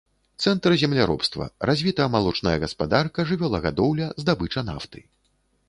Цэнтр земляробства, развіта малочная гаспадарка, жывёлагадоўля, здабыча нафты.